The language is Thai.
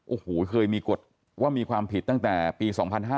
โอ้โหเคยมีกฎว่ามีความผิดตั้งแต่ปี๒๕๕๙